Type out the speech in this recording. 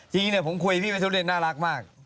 จริงเนี่ยผมคุยกับพี่เว้ยสุรินทร์น่ารักมาก